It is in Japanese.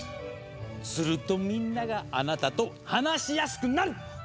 するとみんながあなたと話しやすくなる！